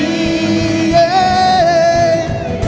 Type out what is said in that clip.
rumah kita sendiri